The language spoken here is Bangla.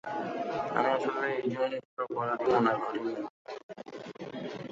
আমি আসলে এরজন্য নিজেকে অপরাধী মনে করিনি।